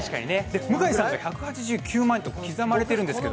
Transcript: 向井さんが１８９万円と刻まれてるんですけど。